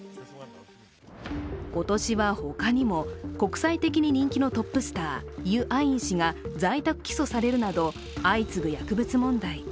今年は他にも国際的に人気のトップスター、ユ・アイン氏が在宅起訴されるなど相次ぐ薬物問題。